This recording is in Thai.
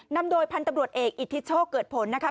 นำโดยพันธุ์ตำรวจเอกอิทธิโชคเกิดผลนะคะ